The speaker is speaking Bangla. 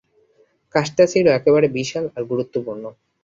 কাজটা ছিল একেবারে বিশাল আর গুরুত্বপূর্ণ।